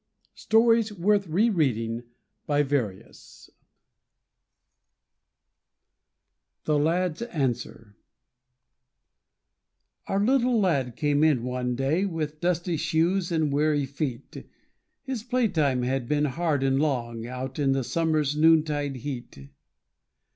D., in the Union Signal_. The Lad's Answer Our little lad came in one day With dusty shoes and weary feet His playtime had been hard and long Out in the summer's noontide heat.